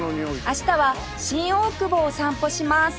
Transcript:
明日は新大久保を散歩します